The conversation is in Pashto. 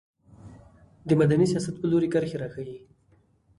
د مدني سیاست په لوري کرښې راښيي.